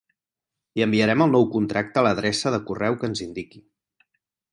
Li enviarem el nou contracte a l'adreça de correu que ens indiqui.